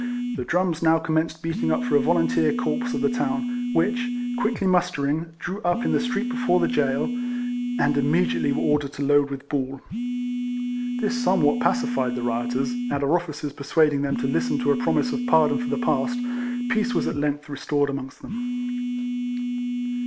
The drums now com menced beating up for a volunteer corps of the town, which, quickly mustering, drew up in the street before the jail, and 16 RECOLLECTIONS OF immediately were ordered to load with baU. This somewhat pacified the rioters, and our officers persuading them to listen to a promise of pardon for the past, peace was at length restored amongst them.